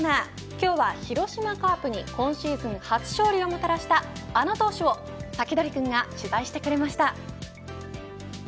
今日は、広島カープに今シーズン初勝利をもたらしたあの投手をサキドリくんが取材してくれました。